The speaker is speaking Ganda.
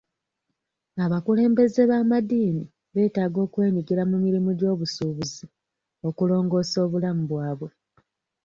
Abakulembeze b'amadiini betaaga okwenyigira mu mirimu gy'obusuubuzi okulongoosa obulamu bwabwe.